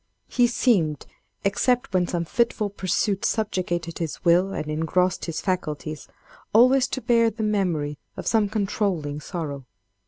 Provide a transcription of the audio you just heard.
"He seemed, except when some fitful pursuit subjugated his will and engrossed his faculties, always to bear the memory of some controlling sorrow.